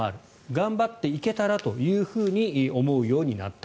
頑張っていけたらというふうに思うようになった。